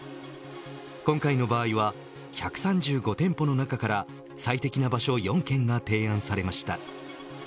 今回の場合は１３５店舗の中から最適な場所４件が提案されました。